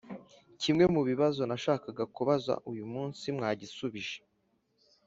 Kimwe mu bibazo nashakaga kubabaza uyu munsi mwagisubije